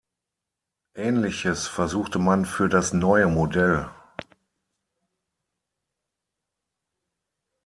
Ähnliches versuchte man für das neue Modell.